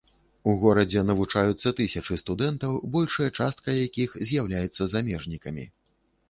У горадзе навучаюцца тысячы студэнтаў, большая частка якіх з'яўляецца замежнікамі.